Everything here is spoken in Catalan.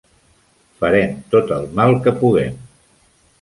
Farem tot el mal que puguem.